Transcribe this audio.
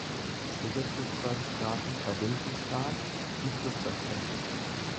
Segelflugzeuge starten per Windenstart und Flugzeugschlepp.